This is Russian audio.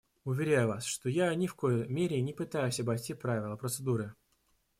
Уверяю вас, что я ни в коей мере не пытаюсь обойти правила процедуры.